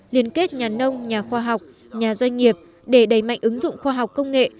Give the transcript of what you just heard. liên kết nhà nông nhà khoa học nhà doanh nghiệp để đẩy mạnh ứng dụng khoa học công nghệ